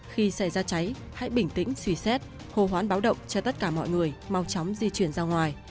khi xảy ra cháy hãy bình tĩnh suy xét hô hoán báo động cho tất cả mọi người mau chóng di chuyển ra ngoài